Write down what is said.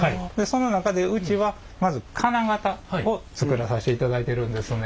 その中でうちはまず金型を作らさしていただいてるんですね。